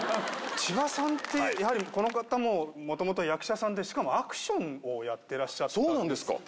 千葉さんってやはりこの方ももともと役者さんでしかもアクションをやってらっしゃったんですって。